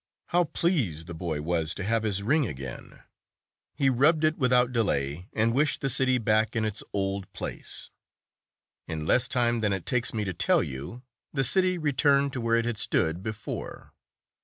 How pleased the boy was to have his ring again ! He rubbed it without delay, and wished the city back in its old place. In less time than it takes me to tell you, the city returned to where it had stood before.